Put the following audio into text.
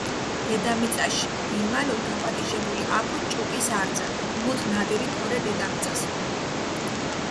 დედამიწაშ გილმალუ დაპატიჟებული აფუ ჭუკის არძა, მუთ ნადირი ქორე დედამიწასჷნ.